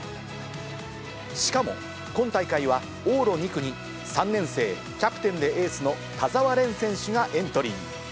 しかも今大会は往路２区に３年生、キャプテンでエースの田澤廉選手がエントリー。